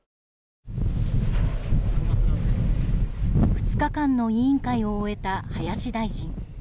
２日間の委員会を終えた林大臣。